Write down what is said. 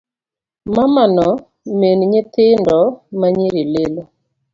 Mamano min nyithindo ma nyiri lilo.